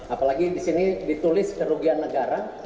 apalagi disini ditulis kerugian negara